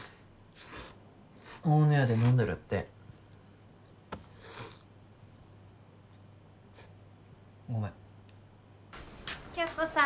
大野屋で飲んでるってごめん響子さん